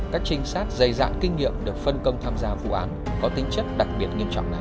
các trinh sát dày dạn kinh nghiệm được phân công tham gia vụ án có tính chất đặc biệt nghiêm trọng này